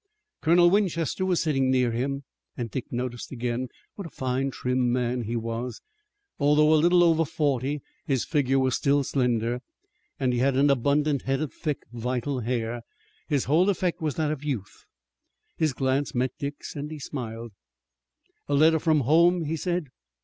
Colonel Winchester was sitting near him, and Dick noticed again what a fine, trim man he was. Although a little over forty, his figure was still slender, and he had an abundant head of thick, vital hair. His whole effect was that of youth. His glance met Dick's and he smiled. "A letter from home?" he said.